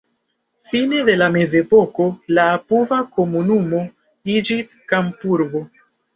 Fine de la mezepoko la apuda komunumo iĝis kampurbo.